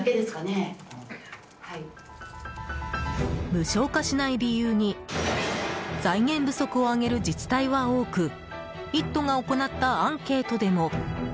無償化しない理由に財源不足を挙げる自治体は多く「イット！」が行ったアンケートでも。